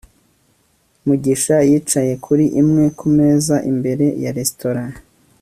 mugisha yicaye kuri imwe kumeza imbere ya resitora